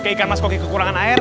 kayak ikan mas koki kekurangan air